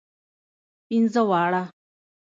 پنځه واړه.